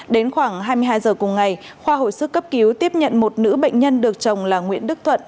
đến khoảng hai mươi hai giờ cùng ngày khoa hồi sức cấp cứu tiếp nhận một nữ bệnh nhân được chồng là nguyễn đức thuận